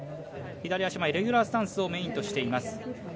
左足前、レギュラースタンスをメインとしています。